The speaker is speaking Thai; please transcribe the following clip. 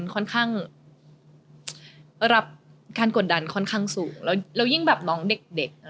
ก็จะรับการกฎดันค่อนข้างสูงแล้วยิ่งมองเด็ก